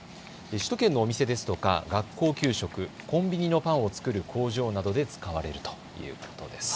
首都圏のお店ですとか学校給食、コンビニのパンを作る工場などで使われるということです。